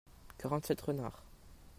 quarante sept renards.